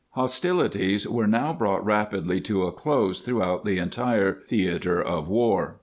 Hostilities were now brought rapidly to a close throughout the entire theater of war.